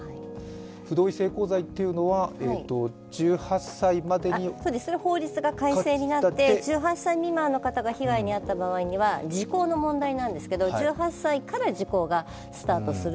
不同意性交罪というのは１８歳までに法律が改正になって、１８歳未満の方が被害に遭った場合には時効の問題なんですけど、１８歳から時効がスタートする。